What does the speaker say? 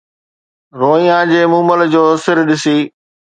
روئيان جي مومل جو سر ڏسي